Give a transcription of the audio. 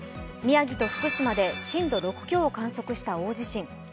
宮城と福島で震度６強を観測した大地震。